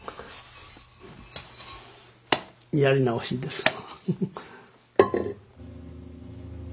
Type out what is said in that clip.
やり直しですわ。